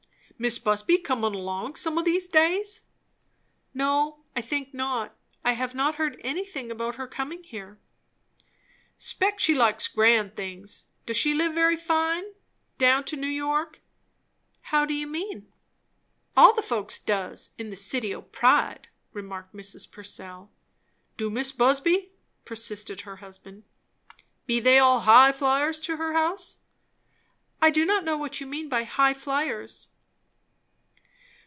"Mis' Busby comin' along, some o' these days?" "No, I think not. I have not heard anything about her coming here." "'Spect she likes grand doings. Does she live very fine, down to New York?" "How do you mean?" "All the folks does, in the City o' Pride," remarked Mrs. Purcell. "Do Mis' Busby?" persisted her husband. "Be they all highflyers, to her house?" "I do not know what you mean by 'highflyers.'"